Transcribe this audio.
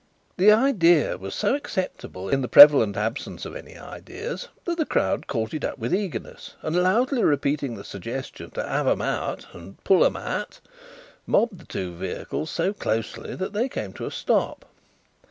The idea was so acceptable in the prevalent absence of any idea, that the crowd caught it up with eagerness, and loudly repeating the suggestion to have 'em out, and to pull 'em out, mobbed the two vehicles so closely that they came to a stop.